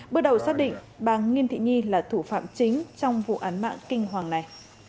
bước đầu xác định bà nghiêm thị nhi là thủ phạm chính trong vụ án mạng kinh hoàng này